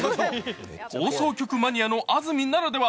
放送局マニアの安住ならでは。